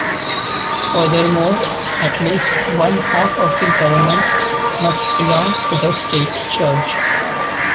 Furthermore, at least one half of the Government must belong to the state church.